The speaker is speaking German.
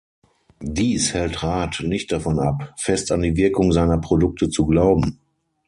Dies hält Rath nicht davon ab, fest an die Wirkung seiner Produkte zu glauben.